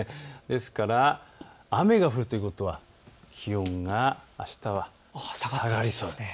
ですから雨が降るということは気温があしたは下がりそうです。